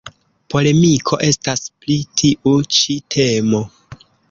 Polemiko estas pri tiu ĉi temo.